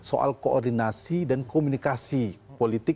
maka sayang sekali apalagi ini sudah masuk ke tahun politik